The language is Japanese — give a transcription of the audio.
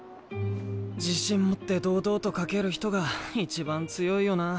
自信持って堂々と描ける人がいちばん強いよな。